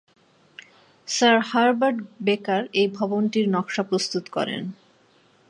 Sir Herbert Baker এই ভবনটির নকশা প্রস্তুত করেন।